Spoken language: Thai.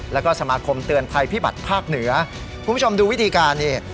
แล้วก็สมาคมเตือนภัยพิบัติภาคเหนือคุณผู้ชมดูวิธีการนี่